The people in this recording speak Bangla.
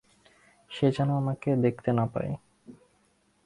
সে যেন আমাকে না দেখতে পায়।